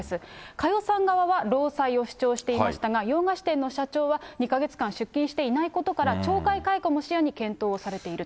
佳代さん側は労災を主張していましたが、洋菓子店の社長は、２か月間出勤していないことから、懲戒解雇も視野に検討されていると。